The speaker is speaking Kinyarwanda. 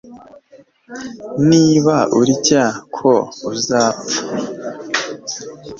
niba urya ko uzapfa